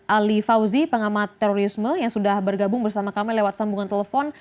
ali fauzi pengamat terorisme yang sudah bergabung bersama kami lewat sambungan telepon